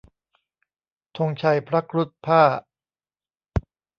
ธงชัยพระครุฑพ่าห์